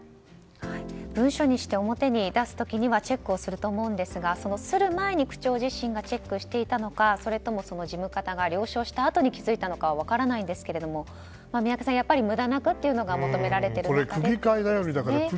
文書にして表に出す時にはチェックをすると思うんですが刷る前に区長自身がチェックしていたのかそれとも事務方が了承したあとに気づいたのかは分からないんですが宮家さんやはり無駄遣いしないことが求められてるんですかね。